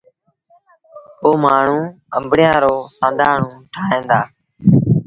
پو مآڻهوٚٚݩ آݩبڙيآݩ رو سآݩڌآڻو ٺاهيݩ دآ۔